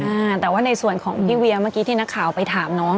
อ่าแต่ว่าในส่วนของพี่เวียเมื่อกี้ที่นักข่าวไปถามน้อง